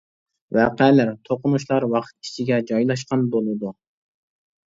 ۋەقەلەر، توقۇنۇشلار ۋاقىت ئىچىگە جايلاشقان بولىدۇ.